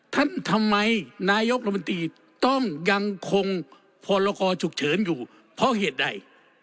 ทำไมนายกรมนตรีต้องยังคงพรกรฉุกเฉินอยู่เพราะเหตุใด